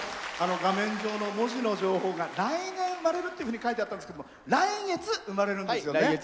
画面上の文字の情報が来年生まれると書いてあったんですけど来月、生まれるんですよね。